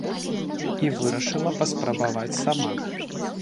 І вырашыла паспрабаваць сама.